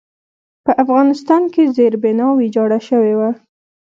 په افغانستان کې زېربنا ویجاړه شوې وه.